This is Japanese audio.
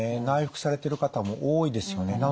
内服されてる方も多いですよね。